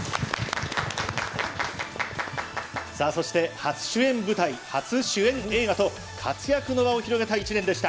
初主演舞台、初主演映画と活躍の場を広げた１年でした。